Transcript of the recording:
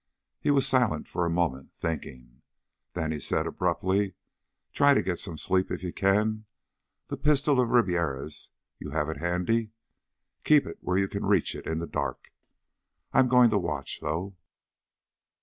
He was silent for a moment, thinking. Then he said abruptly, "Try to get some sleep, if you can. That pistol of Ribiera's you have it handy? Keep it where you can reach it in the dark. I'm going to watch, though."